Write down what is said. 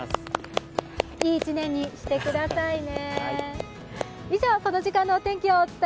いい一年にしてくださいね。